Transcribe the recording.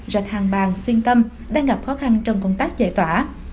rạch hàng bàng xuyên tâm đang gặp khó khăn trong công tác giải tỏa